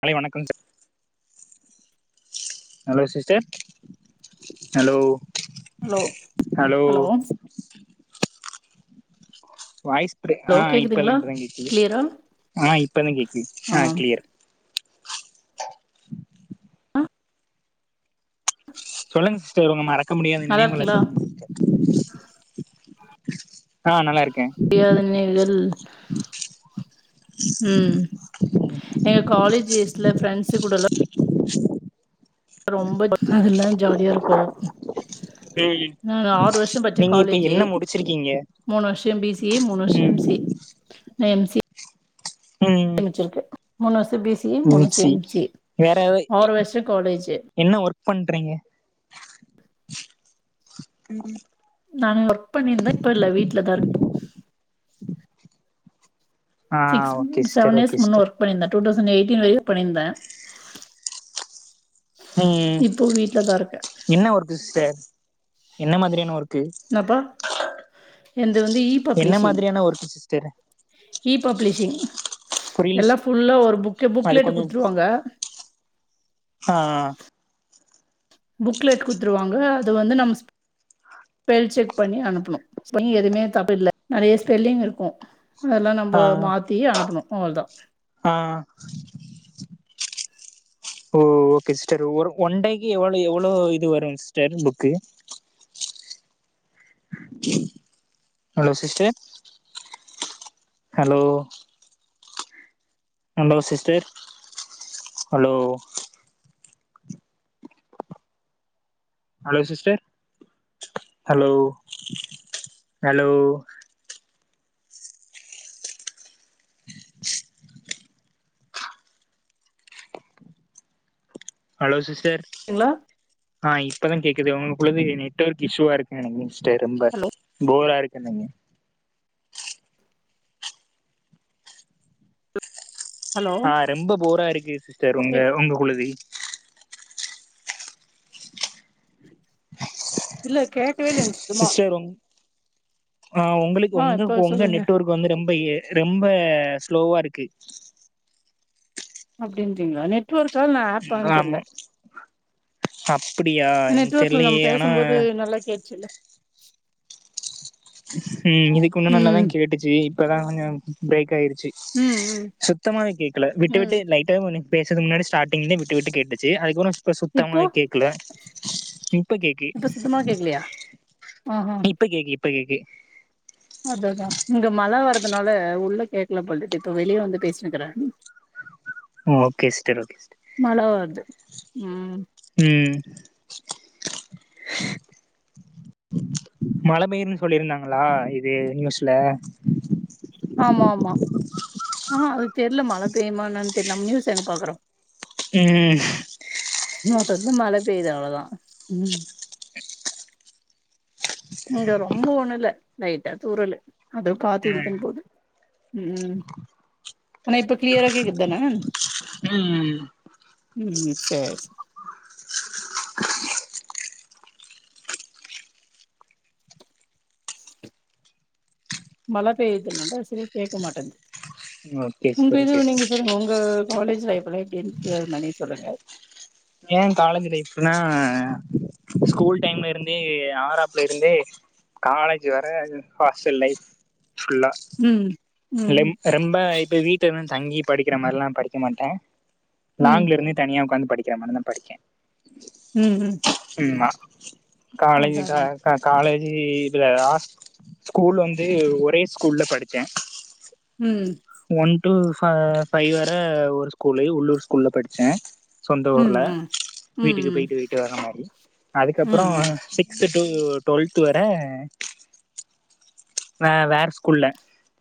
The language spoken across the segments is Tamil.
காலை வணக்கம் சா hello sister hello hello hello voice இப்பதே ஹலோ ஆ இப்பதா கேக்குதுங்களா இப்பதா கேக்குது கிளியரா ஆ இப்பதா கேக்குது ஆ க்ளியர் சொல்லுங்க சிஸ்டர் உங்க மறக்க முடியாத நல்லா நினைவுங்கள இருக்கீங்களா சொல்லுங்க சிஸ்டர் ஆ நல்லாருக் வேதனைகள் ம் எங்க காலேஜ் எஸ்ட்ல ஃப்ரெண்ட்ஸ் கூடலா ரொம்ப அதல்லா ஜாலியாருக்கு ம் ஆறு வருஷோ படிச்ச நீங்க இப்ப காலேஜு என்ன முடிச்சிருக்கீங்க மூணு வருஷோ பி சி சி ஏ மூணு வருஷோ ம் எம் சி ஏ அ எம் சி ம் முடிச்சிருக்கு மூணு வருஷ் த்த பி சி ஏ மூணு வருஷோ எம் சி வேற ஆரு எ- வருஷோ காலேஜி என்ன ஒர்க் பண்றீங்க நாங்க ஒர்க் பண்ணிருந்த இப்பல்ல வீட்லதா இருப்போ ஆ சிக்ஸ் ஓகே முன் சிஸ்டர் செவன் இயர்ஸ் ஓகே முன்ன சிஸ்டர் ஒர்க் பண்ணிருந்த டூ தௌசண்ட் எயிட்டீன் வரையு ஒர்க் பண்ணிருந்த ம் இப்போ வீட்லதா இருக்க என்ன ஒர்க்கு சிஸ்டர் என்ன மாதிரியான ஒர்க்கு எந்து வந்து இ என்ன பப்ளிஷிங் மாதிரியான ஒர்க்கு சிஸ்டர் இ பப்ளிஷிங் புரியல சிஸ் எல்லா ஃபுல்லா ஒரு புக்கு அது புக்லேட் கொஞ்சோ குடுத்துருவாங்க ஆ புக்லெட் குத்துருவாங்க அது வந்து நம் ஸ் பெல் செக் பண்ணி அனுப்புணு ஸ்பெல் எதுவுமே தப்பில்ல நறைய ஸ்பெல்லிங் இருக்கு அதெல்லா நம்ம ஆ மாத்தி அனுப்பணு அவ்ளோதா ஆ ஓ ஓகே சிஸ்டர் ஒன் டேக்கு எவ்ளோ எவ்ளோ இது வரு sister book hello sister hello hello sister hello hello sister hello hello hello sister ங்களா ஆ இப்ப தா கேக்குது உங்களுக்குள்ளது நெட்வொர்க் இஷ்யுவா இருக்குன்‌ நெனைக்கிறே சிஸ்டர் ரொம்ப ஹலோ போராருக்கு என்னங்க ஹலோ ஆ ரொம்ப போராருக்கு சிஸ்டர் ஒங்க கேக் ஒங்ககுள்ளது இல்ல கேக்கவே இல்ல சுத்தமா சிஸ்டர் உங் ஆ உங்களுக்கு ஆ உங்க இப்ப உங்க சொல்லுங்க நெட்வொர்க் வந்து ரொம்ப எ ரொம்ப ரொம்ப ஸ்லோவாருக்கு அப்டின்றீங்ளா நெட்வொர்க்கா இல்ல அப்பான் தெர்ல ஆமா [unintelligible] எனக்கு நெட்வொர்க்ல தெர்லயே நம்ம ஆனா பேசம்போது நல்லா கேச்சுல்ல ம் இதுக்கு முன்ன நல்லாதா கேட்டுச்சு இப்பதா கொஞ்சோ ப்ரேக் ஆய்ரு ச்சு ம் ம் சுத்தமாவே கேக்கல விட்டு விட்டு ம் லைட்டா [unintelligible] பேசதுக் முன்னாடி ஸ்டாடிங்லே விட்டு விட்டு கேட்டுச்சு அதுக்பறோ இப்ப இப்போ சுத்தமாவே கேக்கல இப்ப கேக்கு ஆ ஹா இப்ப கேக்கு இப்ப கேக்கு அதுதா இங்க மழ வர தனால உள்ள கேக்கல போல் இப்ப வெளிய வந்து பேசினுக்குற ஓகே ஸ்ட்டர் ஓகே ஸ்ட்டர் மழ வருது ம் ம் மழ பெயுன்னு சொல்லிருந்தாங்ளா இது நியூஸ்ல ஆமா ஆமா அ ஹா அது தெர்ல மழ பெய்மா என்னன் தெர்ல நம் நியூஸ் எங்க பாக்குறோ ம் [unintelligible] மழ பெய்து அவ்ள தா இங்க ரொம்ப ஒன்னுல லைட்டா தூறலு அது காத்து ம் இழுத்துன் போது ம் ஆனா இப்ப க்ளியரா கேக்குதான ம் ம் சேர் சேர் மழ பெயதுனால சரியா கேக்க மாட்டன்து ஓகே ஒங்க சிஸ்டர் இது ஓகே சிஸ்டர் நீங்க சொல்லுங்க ஒங்க காலேஜ் லைஃப்லா எப்டி இர்ந்துது [unintelligible] சொல்லுங்க ஏ காலேஜ் லைஃப்னா ஸ்கூல் டைம்ல இருந்தே ஆறாப்லருந்தே காலேஜ் வர ஹாஸ்டல் லைஃப் ஃபுல்லா ம் ம் லெம் ரெம்ப இப்ப வீட்ல தா தங்கி படிக்கிற மாரில்லா படிக்க மாட்ட ம் லாங்க்லருந்தே தனியா ஒக்காந்து படிக்கிற மாரி தா படிக்க ம் ம் ம்மா காலஜ் அதா க அதா கா கால இ இதுல ஹாஸ் ஸ்கூல் வந்து ஒரே ஸ்கூல்ல படிச்ச ம் ஒன் டு ஃப ஃபைவ் வர ஒரு ஸ்கூலு உள்ளூர் ஸ்கூல்ல படிச்ச சொந்த ம் ஊர்ல ம் ம் வீட்டுக்கு பேய்ட்டு பேய்ட்டு வர்ர மாரி ம் அதுக்கப்றோ ம் சிக்ஸ்த்து டு டுவெல்த் வர வே வேற ஸ்கூல்ல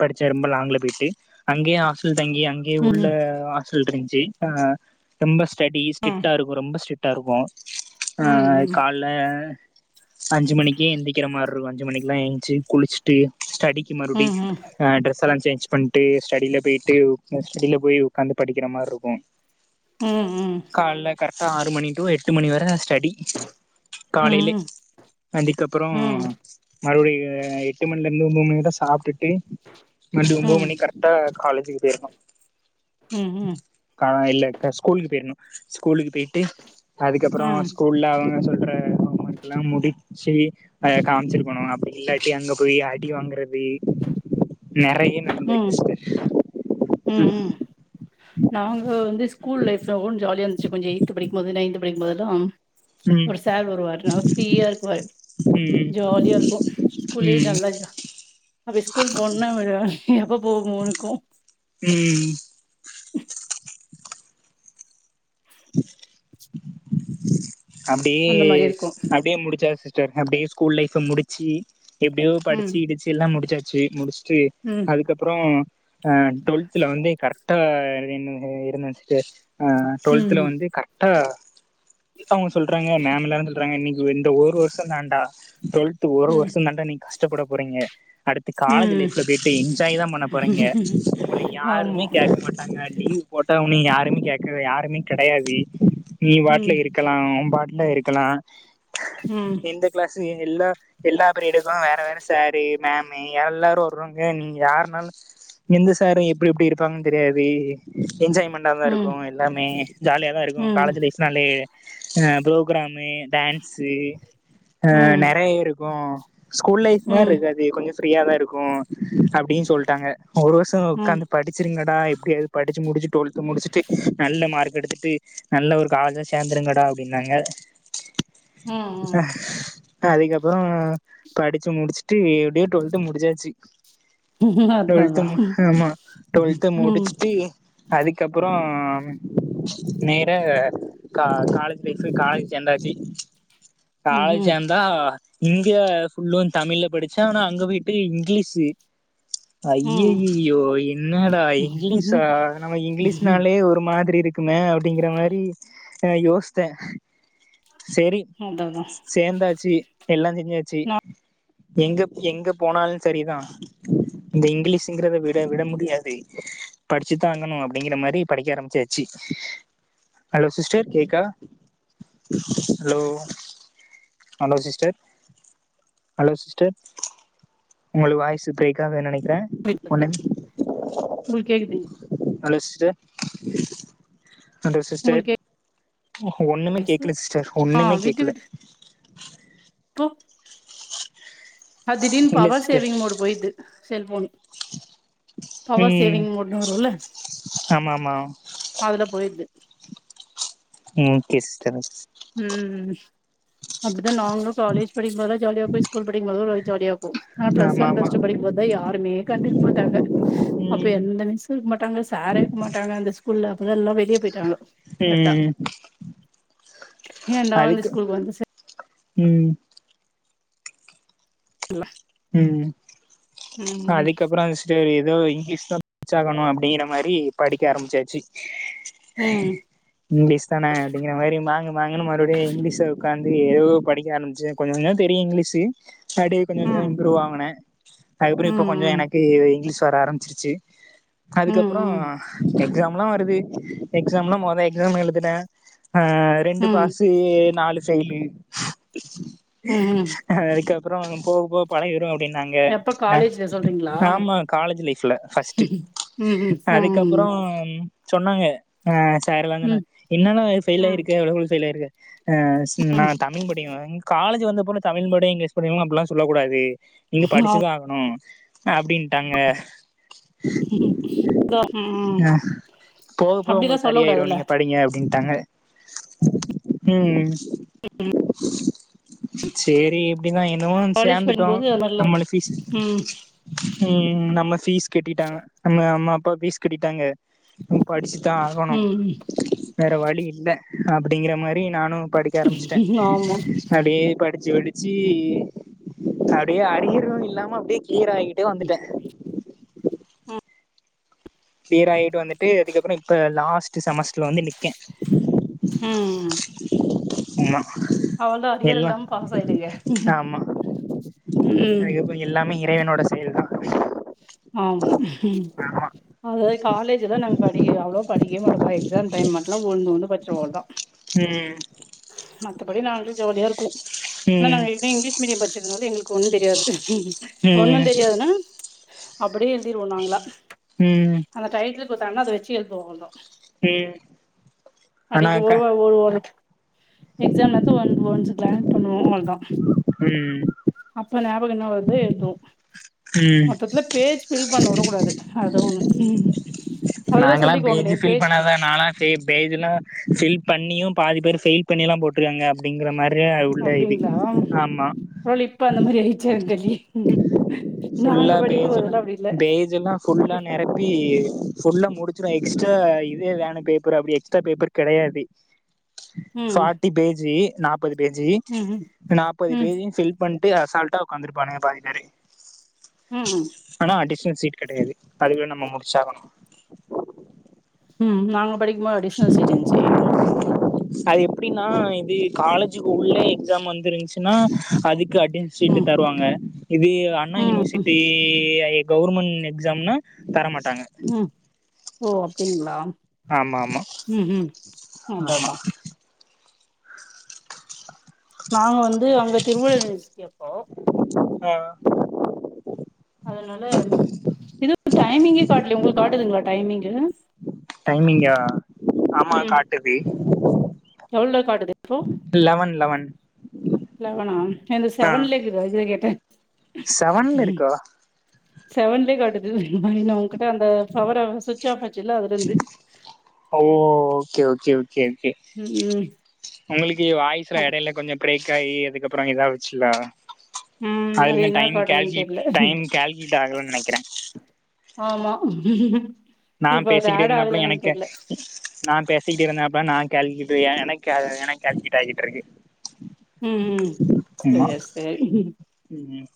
படிச்ச ரொம்ப லாங்க்ல பேட்டு அங்கயு ஹாஸ்டல் தங்கி அங்கே ம் உள்ள ஆஸ்டல்ருந்துச்சு அ ரொம்ப ஸ்டடி ம் ம் ஸ்ட்ரிட்டாருக்கு ரொம்ப ஸ்ட்ரிட் டாருக்கு அ ம் கால்ல அஞ்சு மணிக்கே எந்திக்கிற மாரிருக்கு அஞ்சு மணிக்குலா ஏஞ்ச்சு குளிச்சிட்டு ஸ்டடிக்கு ம் ம் மறுபடி ம் அ ட்ரெஸல்லா சேஞ்ச் பண்ட்டு ஸ்டடில பேய்ட்டு டில போய் உக்காந்து படிக்கிற மார்ருக்கு ம் ம் ஆறு மணி டு எட்டு மணி வர ஸ்டடி காலைலே ம் அதுக்கப்றோ ம் மறுபடி எ [unintelligible] ஒம்போது மணி வர சாப்ட்டுட்டு [unintelligible] ஒம்போது மணி கரெக்டா காலேஜுக்கு பேரனு ம் கா இல்ல க ஸ்கூலுக்கு பேரணு ஸ்கூலுக் பேட்டு அதுக்கப்றோ ம் ஸ்கூல்ல அவங்க சொல்ற ஹோமர்க்குல்லா முடிச்சி அ காம்ச்சிருக்கணு அப்டி இல்லாட்டி அங்க போய் அடி வாங்குறது நறைய நடந்திருக்கு சிஸ்டர் ம் ம் நாங்க வந்து ஸ்கூல் லைஃப்ல ஒஞ்ச ஜாலியா இருந்துச்சு கொஞ்ச எய்து படிக்கும் போது நைன்து படிக்கும் போதுல்லா ம் ஒரு சார் ஒருவா ந ஃப்ரீயா இருக்குவா ம் ஜாலியா இருக்கு ஸ்கூலே ம் நல்லாஜா அப்ப ஸ்கூல் போணுனா எப்ப போகுமோனுக்கு ம் அப்டியே அந்த மாரி இருக்கும் அப்டியே முடிச்சா சிஸ்டர் அப்டியே ஸ்கூல் லைஃப் முடிச்சு எப்படியோ படிச்சு ம் இடிச்சு எல்லா முடிச்சாச்சு முடிச்சுட்டு ம் அதுக்கப்புறோ ஆ டுவெல்தல வந்து கரெக்டா என்ன இருந்த சிஸ்டர் ஆ டுவல்துலா ம் வந்து கரக்ட்டா அப்ப அவங்க சொல்றாங்க மேம் எல்லாரு சொல்றாங்க இன்னைக்கு இந்த ஒரு வருஷ தாண்டா டுவெல்த் ஒரு ம் ம் வருஷ தாண்டா நீங்க கஷ்டப்பட போறீங்க அடுத்து காலேஜ் ம் லைஃப்ல போயிட்டு என்ஜாய் தா பண்ண போறீங்க உங்கள ஆமா யாருமே கேட்க மாட்டாங்க அ போட்டா ஒன்ன நீ யாருமே கேட்க யாருமே கெடையாது நீ பாட்டுல ம் இருக்கலா ஓபாட்டு ல்லா இருக்கலா ம் எந்த கிளாஸ் எல்லா எல்லா பீரியட்டுக்கு வேற வேற சரு மேம்மு எல்லாரு வருவாங்க நீ யாருனாலு எந்த சாரு எப்டி எப்டி இருப்பாங்கன்னு தெரியாது என்ஜாய்மெண்டாதா ம் இருக்கு எல்லாமே ஜாலியாதா இருக்கு ம் காலேஜ் லைஃப்னாலே ஆ ப்ரோக்கிராம் மே டான்ஸ்சு ஆ ம் நெறைய இருக்கு ஸ்கூல் லைஃப் மாரி ம் இருக்காது கொஞ்ச ஃப்ரீயா தா இருக்கு அப்டின் சொல்ட்டாங்க ஒரு வருஷ ம் ஒக்காந்து படிச்சிருங்க கா எப்படியாது படிச்சு முடிச்சு டுவல்த் முடிச்சுட்டு நல்ல மார்க் எடுத்துட்டு நல்ல ஒரு காஜேஜ் சேந்திரங்கடா அப்டின்னாங்க ம் ஆ ம் அதுக்கப்புறோ படிச்சு முடிச்சுட்டு எப்படியோ டுவெல்த் முடிச்சாச்சு அதா டுவெல்த்து அதா ஆமா டுவெல்த்து ம் முடிச்சுட்டு அதுக்கப்புறம் நேற கா காலேஜ் லைஃப்பு காலேஜ் சேந்தாச்சு காலேஜ் ம்ஹ்ம் சேந்தா இங்க ஃபுல்லு தமிழ்ல படிச்ச ஆனா அங்க போயிட்டு இங்கிலீஷு ம் ஐயயோ என்னடா இங்கிலீஷா நம்ம இங்கிலீஷ்னாலே ஒரு மாதிரி இருக் குமே அப்டிங்கிற மாரி யோசித்தே சரி அதா அதா சேந்தாச்சு எல்லா செஞ்சாச்சு நா எங்க எங்க போனாலு சரிதா இந்த இங்கிலீஷ்ங்கிறத விட விட முடியாது படிச்சு தான ஆங்கணு அப்டிங்கிற மாரி படிக்க ஆரம்பிச்சாச்சு ஹலோ சிஸ்டர் கேக்கா hello hello sister hello sister உங்கள் வாய்ஸ் பிரேக்காக நெக் க்கரே விட்டது ஒன்னே உங்களுக்கு கேக்குதுங் ஹலோஸ் டர் ஆ உங்களுக்கே ஒண்ணுமே கேக்கல சிஸ்டர் ஆ ஒண்ணுமே விட்டு கேக்கல விட்டு அ திடீனு இல்ல பவர் சிஸ்டர் சேவிங் மோடு போய்டு செல்போன் பவர் ம் சேவிங் மோடுன்னு வரும்ல ஆமா ஆமா அதுல போயிடுது ம் ஓகே சிட்டர் ம் அப் நாங்களு காலேஜ் படிக்கும்போதல்லா ஜாலியாக்கு ஸ்கூல் படிக்கும் போது ஜாலியா இருக்கு ஆனா பிளஸ் ஆமா ஒன் ஆமா பிஸ் டு படிக்கும் போது யாரு மே கண்டுக்க மாட்டாங்க அப்ப ம் எந்த மிஸ்சு இருக்க மாட்டாங்க சாரே இருக்க மாட்டாங்க அந்த ஸ்கூல்ல அதெல்லா வெளிய போயிட்டாங்க கரெக்டா ம் ஏன்டா அந்த அதுக்கு ஸ்கூலுக்கு வந்துச்சு ம் இல்ல ம் ம் அதுக்கப்பறோ அது [unintelligible] ஏதோ இங்கிலீஷதா படிச்சு ஆகணு அப்டிங்கிற மாரி படிக்க ஆரம்பிச்சாச்சு ம் இங்கிலீஷ் தானே அப்டிங்கிற மாரி மாங்கு மாங்குன்னு மறுபடியு இங்கிலீஷ உக்காந் ந்து ஏதோ படிக்க ஆரம்பிச்சு கொஞ்சோ கொஞ்சோ தெரியு இங்கிலீஷு அப்டியே கொஞ்ச கொஞ்ச ம் இங் போனே ம் அதுக்கப்றோ இப்ப கொஞ்சோ ம் எனக்கு இங்கிலீஷ் வர ஆரம்பிச்சுருச்சு அதுக்கப்றோ ம் எக்ஸாம்லா வருது எக்ஸாம்லா மொத எக்ஸாம் எழுதுட்ட ஆ ரெண்டு ம் பாஸு நாலு பெயிலு ம் ம் அதுக்கப் அப்றோ போக போக பழகீரு அப்டினாங்க எப்ப ஆ காலேஜ்ல சொல்றீங்களா ஆமா காலேஜ் லைப்ல ஃபஸ்ட்டு ம் ம் ம் அதுக்கப்பறோ ம் அப்றோம் சொன்னாங்க ஆ சார்லா ம் சொன்னாங்க என்னன்ன ஃபெயில் ம் ஆயிருக்க எவ்ளோவுல ஃபெயில் ஆயிருக்க அசிங்மா நா ம் தமிழ் படிக்க வேணா காலேஜ் வந்த போல தமிழ் படி இங்கிலீஷ் படிவங்களும் அப்புல்லா சொல்ல கூடாது இங்க படுச்சுதா ஆகணு அப்டின்ட்டாங்க ம் யா போக போக அப்டிலா உங்களுக்கு சொல்ல சரியாயிடு கூடாதுல்ல நீங்க படிங்க அப்டின்ட்டாங்க ம் ம் சேரி அப்டிதா என்னவு வந்து காலேஜ் சேந்துட்டோ படிக்கும்போது அது மாரிலா நம்மள ஃபீஸ் ம் ம் நம்ம பீஸ் கட்டிட்டாங்க நம்ம அம்மா அப்பா பீஸ் கட்டிட்டாங்க ம் படிச் தா ஆகணும் ம் ம் வேற வழி இல்ல அப்டிங்கற மாரி நானு படிக்க ஆரம்ச்ட்டே ஆமா அப்டியே படுச்சு படுச்சு அப்டியே அரியரு இல்லாம அப்டியே கிளியர் ஆகிட்டே வந்துட்டே க்ளியர் ஆயிட்டு வந்துட்டு அதுக்கப்பறோ இப்ப லாஸ்ட் செமஸ்டர்ல வந்து நிக்கே ம் ஆமா அவள்தா அரியர் எல்லா இல்லாம பாஸ் ஆயிடுங்க ஆமா ம் அதுக்கப்பறோ எல்லாமே இறைவனோட செயல்தா ஆமா ஆமா அதாவது காலேஜுதா நாங்க படிக்க அவ்ளோவா படிக்கவே மாட்டோப்பா எக்ஸாம் டைம் மட்டுந்தா ஒன்னு ஒன்னு படுச்சுருவோ அவ்ளோதா ம் ம் மத்தபடி நாங்களே ஜாலியா இருக்கு ஆனா ம் நாங்க எப்பையு இங்கிலீஷ் மீடியம் படிச்சதுனால எங்களுக்கு ஒண்ணு தெரியாது ம் ஒண்ணுந் தெரியாதுன்னா அப்டியே எழுதிருவோ நாங்ளா ம் அந்த டையத்துல குடுத்தாங்கன்னா அத வச்சு எழுதுவோ அவ்ளோதா ம் அடிக்கு ஆனாக்கா ஒருவா ஒருவாரு எக்ஸாம் நேரத்துல ஒன் ஒன்சு க்ளாண்ட் பண்ணுவோ அவ்ளோதா ம் ம் அப்போ என்ன வருது எழுதுவோ ம் பக்கத்துல பேஜ் பில் பண்ண வுடக் கூடாது அதா ஒண்ணு நாங்கல்லா பேஜ் ஃபில் பண்ணாதா நால பே பேஜுனா ஃபில் பண்ணி பாதி பேர் ஃபெயில் பண்ணியெல்லா போட்ருக்காங்க அப்டிங்கிற மாரி உள்ள இது அப்டிங்களா ஒரு ஆமா வேல இப்ப அந்த மாரி ஆயிடுச்சா என்னனு தெரியலயே ஃபுல்லா பேஜெல்லா பேஜெல்லா ஃபுல்லா நெரப்பி ஃபுல்லா முடுச்சுரு எக்ஸ்ட்ரா இதே வேணு பேப்பரு அப்டி எக்ஸ்ட்ரா பேப்பர் கெடையாது ம் ஃபார்டி பேஜி நாப்பது பேஜி ம் ம் நாப்பது ம் பேஜயு ஃபில் பண் ட்டு அசால்டா ஒக்காந்துருப்பானுங்க பாதி பேரு ம் ம் ஆனா அடிஸன் சீட் கெடையாது அதுக்குள்ள நம்ம முடுச்சாகணு ம் ம் நாங்க படிக்கும்போது அடிஸ்னல் சீட் இருந்ச்சு அது எப்டின்னா இது காலேஜுக்கு உள்ள எக்ஸாம் வந்துருந்துச்சுன்னா அதுக் ட்ல அட்னஸ் சீட்டு ம் தருவாங்க இது அண்ணா ம் யூனிவர்சிட்டி ஐ இதே கவுர்மெண்ட எக்ஸாம்னா தர மாட்டாங்க ம் ஓ அப்டிங்களா ம் ஹும் ஆமா அததா நாங்க வந்து அங்க திருவள் நீயூஸ் கேப்போ அ அதனால இதுவு டைமிங்கே காட்லே உங்ளுக்கு காட்டுதுங்ளா டைமிங்கு மிங்கா ஆமா ம் காட்டுது எவ்ளோ காட்டுது இப்போ லெவன் லெவன் லெவனா என்து ஆ செவன்லே இருக்குது அதுக்குதா கேட்ட செவன்ல இருக்கா செவன்லே காட்டுது பை நா உங்கிட்ட அந்த ஃபவர சுவிட் ஆஃப் ஆச்சுல்ல அதுல இருந்து ஒகே ஒகே ம் உங்ளுக்கு வாய்ஸ்ல இடைல கொஞ்ச பிரேக் காய் அதுக்கப்றோ எதாவச்சுலா ம் அது அதுல என்ன டைம் காட்டுதுன்னு கேல்க்லிட் தெர்ல டைம் கேல்க்லிட் ஆகலனு நெனைக்குறே ஆமா நா இப்ப அது பேசிக்கிட்டே ஆட் இருந்தாப்ல ஆகுதானு எனக் தெர்ல நா பேசிக்கிட்டே இருந்தாப்ல நா கர்ள் கிட்டுயா எனக் க எனக் கர்ள் கிட்டாய்ட்ருக்கு உம் செர் செரி ம்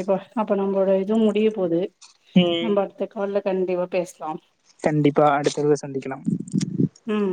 இப்ப அப்ப நம்போட இது முடிய போது ம் நம்ம அடுத்த கால்ல கண்டிப்பா பேசலா கண்டிப்பா அடுத்த தடவ சந்திக்கலா ம்